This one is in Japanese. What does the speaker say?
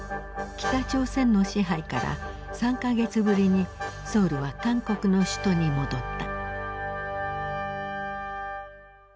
北朝鮮の支配から３か月ぶりにソウルは韓国の首都に戻った。